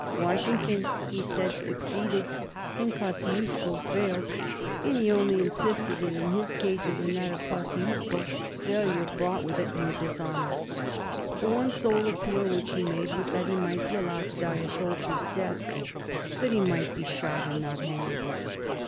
"Washington," he said, "succeeded, and Kosciusko failed;" and he only insisted that in his case, as in that of Kosciusko, failure brought with it no dishonor. The one sole appeal which he made was that he might be allowed to die a soldier's death that he might be shot and not hanged.